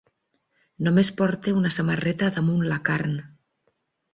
Només porta una samarreta damunt la carn.